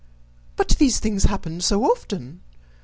But these things happen so often!